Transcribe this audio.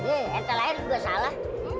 eh ente lahir juga salah